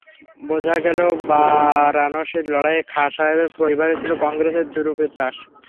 বোঝা গেল, বারানসির লড়াইয়ে খাঁ সাহেবের পরিবারই ছিল কংগ্রেসের তুরুপের তাস।